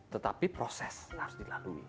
tetapi proses harus dilalui